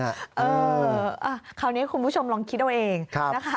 เออคราวนี้คุณผู้ชมลองคิดเอาเองนะคะ